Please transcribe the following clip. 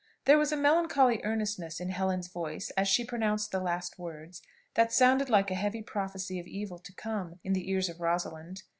There was a melancholy earnestness in Helen's voice, as she pronounced the last words, that sounded like a heavy prophecy of evil to come, in the ears of Rosalind.